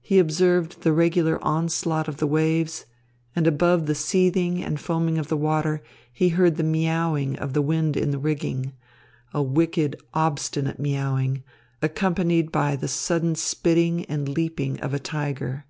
He observed the regular onslaught of the waves, and above the seething and foaming of the water, he heard the miauing of the wind in the rigging, a wicked obstinate miauing, accompanied by the sudden spitting and leaping of a tiger.